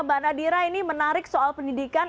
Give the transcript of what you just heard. mbak nadira ini menarik soal pendidikan